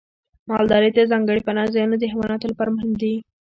مالدارۍ ته ځانګړي پناه ځایونه د حیواناتو لپاره مهم دي.